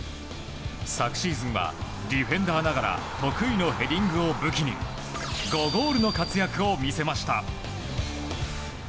昨シーズンはディフェンダーながら得意のヘディングを武器に５ゴールの活躍を見せました。